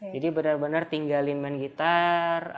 jadi bener bener tinggalin main gitar